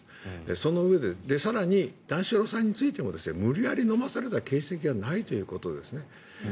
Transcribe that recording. そのうえで、更に段四郎さんについても無理やり飲まされた形跡がないということですね